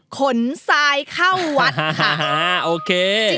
ขนทรายเข้าวัดค่ะ